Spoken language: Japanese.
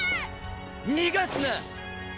にがすな！